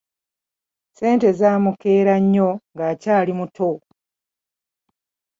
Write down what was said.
Ssente zaamukeera nnyo ng'akyali muto.